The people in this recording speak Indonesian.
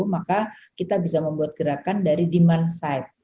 maka kita bisa membuat gerakan dari demand side